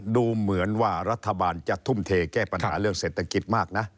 ดูเหมือนว่ารัฐบาลจะทุ่มเทแก้ปัญหาเรื่องเศรษฐกิจมากนะ